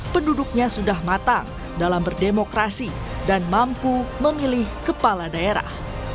penduduknya sudah matang dalam berdemokrasi dan mampu memilih kepala daerah